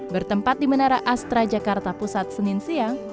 bertempat di menara astra jakarta pusat senin siang